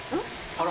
あら。